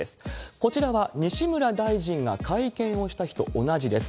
こちらは西村大臣が会見をした日と同じです。